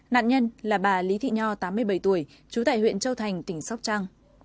nạn nhân là bà lý thị nho tám mươi bảy tuổi trú tại huyện châu thành tỉnh sóc trăng